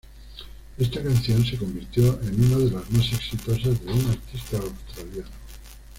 Esta canción se convirtió en una de las más exitosas de un artista australiano.